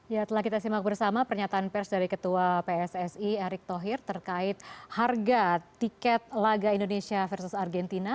ya telah kita simak bersama pernyataan pers dari ketua pssi erick thohir terkait harga tiket laga indonesia versus argentina